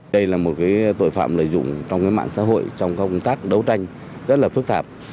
đây là một tội phạm lợi dụng trong mạng xã hội trong công tác đấu tranh rất là phức tạp